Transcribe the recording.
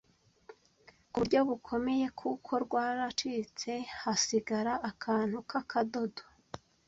ku buryo bukomeye kuko rwaracitse hasigara akantu k’akadodo